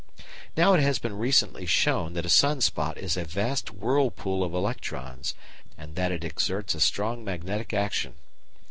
Now it has been recently shown that a sun spot is a vast whirlpool of electrons and that it exerts a strong magnetic action.